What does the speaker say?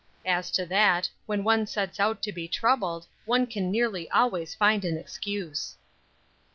As to that, when one sets out to be troubled, one can nearly always find an excuse.